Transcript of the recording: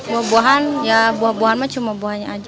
buah buahan ya buah buahan mah cuma buahnya aja